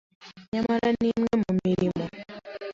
Nyamara ni imwe mu mirimo